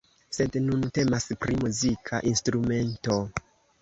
Sed nun temas pri muzika instrumento.